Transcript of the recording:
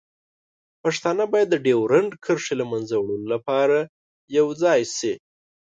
پښتانه باید د ډیورنډ کرښې له منځه وړلو لپاره یوځای شي.